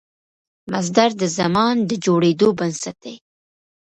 مصدر د زمان د جوړېدو بنسټ دئ.